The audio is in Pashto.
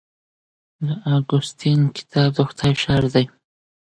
د اګوستین کتاب د خدای ښار دی.